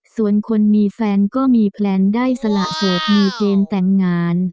ส่วนคนมีแฟนก็มีแพลนได้สละโสดมีเกณฑ์แต่งงาน